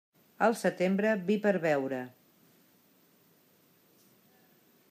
Al setembre, vi per beure.